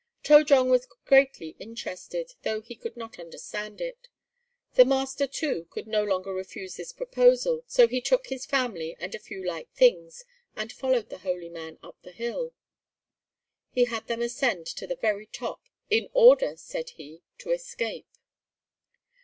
To jong was greatly interested, though he could not understand it. The master, too, could no longer refuse this proposal, so he took his family and a few light things and followed the "holy man" up the hill. He had them ascend to the very top, "in order," said he, "to escape."